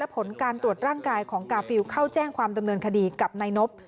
ผลการตรวจร่างกายของกาฟิลเข้าแจ้งความดำเนินคดีกับนายนบ